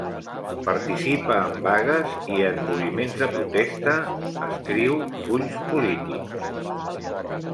Participa en vagues i en moviments de protesta, escriu fulls polítics.